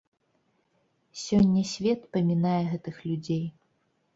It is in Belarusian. Сёння свет памінае гэтых людзей.